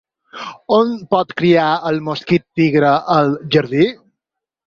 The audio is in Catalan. On pot criar el mosquit tigre al jardí?